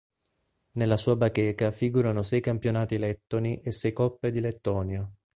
Nella sua bacheca figurano sei campionati lettoni e sei Coppe di Lettonia.